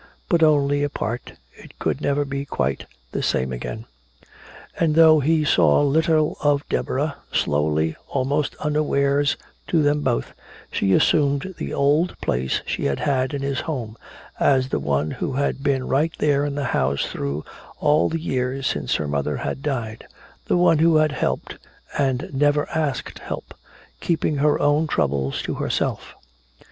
But only a part. It could never be quite the same again. And though he saw little of Deborah, slowly, almost unawares to them both, she assumed the old place she had had in his home as the one who had been right here in the house through all the years since her mother had died, the one who had helped and never asked help, keeping her own troubles to herself.